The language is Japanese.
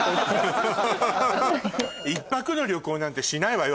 １泊の旅行なんてしないわよ